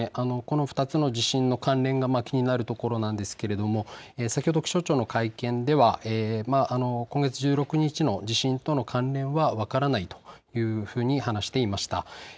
この２つの地震の関連が気になるところなんですけれども先ほど気象庁の会見では今月１６日の地震との関連は分からないというふうに話していました。